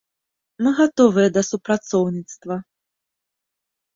Мы гатовыя да супрацоўніцтва.